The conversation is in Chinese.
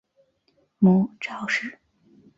母赵氏。